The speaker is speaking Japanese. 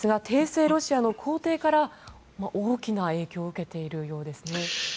帝政ロシアの皇帝から大きな影響を受けているようですね。